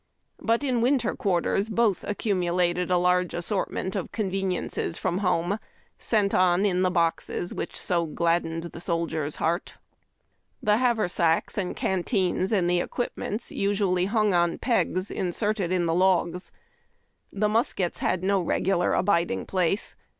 But in winter quarters both accumulated a large assortment of con veniences from home, sent on in the boxes which so glad dened the soldier's heart. 76 HARB TACK AND COFFEE. The haversacks, and canteens, and the equipments usually hung on pegs inserted in the logs. The muskets had no regular abiding place.